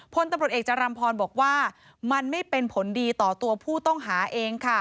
พลตำรวจเอกจรัมพรบอกว่ามันไม่เป็นผลดีต่อตัวผู้ต้องหาเองค่ะ